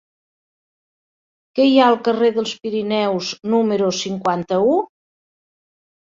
Què hi ha al carrer dels Pirineus número cinquanta-u?